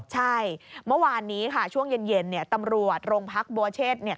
ใช่เมื่อวานนี้ค่ะช่วงเย็นตำรวจโรงพักบัวเชษเนี่ย